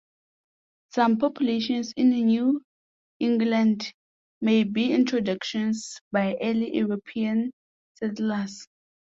Some populations in New England may be introductions by early European settlers.